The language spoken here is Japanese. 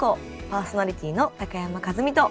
パーソナリティーの高山一実と。